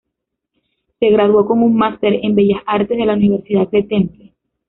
Se graduó con un máster en bellas artes en la Universidad del Temple.